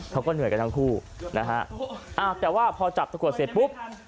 เขาก็เหนื่อยกันทั้งคู่นะฮะอ่าแต่ว่าพอจับตะกรวดเสร็จปุ๊บ